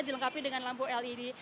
mengkapi dengan lampu led